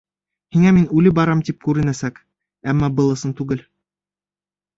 Һиңә мин үлеп барам тип күренәсәк, әммә был ысын түгел...